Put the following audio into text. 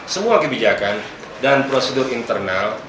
semua kebijakan dan prosedur internal